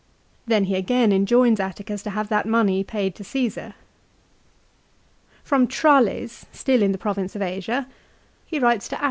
Then he again enjoins Atticus to have that money paid to Csesar. From Trail es, still in the province of Asia, he writes to Appius 1 Ad Att.